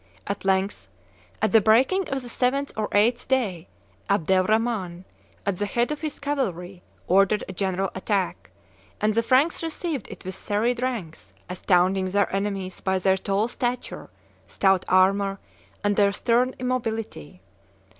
At length, at the breaking of the seventh or eighth day, Abdel Rhaman, at the head of his cavalry, ordered a general attack; and the Franks received it with serried ranks, astounding their enemies by their tall stature, stout armor, and their stern immobility.